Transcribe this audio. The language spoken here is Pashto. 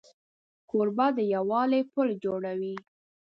کوربه د یووالي پل جوړوي.